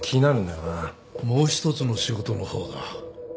もう一つの仕事の方だ